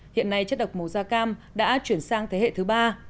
hiện nay chất độc màu da cam đã chuyển sang thế hệ thứ ba